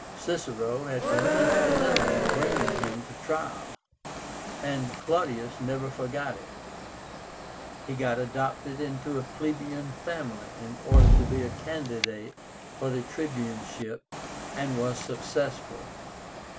Cicero had been instrumental in bringing him to trial, and Clodius never forgot it. He got adopted into a plebeian family in order to be a candidate for the tribuneship, and was successful.